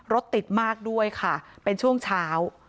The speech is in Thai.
รถติดมากด้วยค่ะเป็นช่วงเช้า